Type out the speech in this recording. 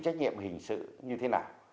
trách nhiệm hình sự như thế nào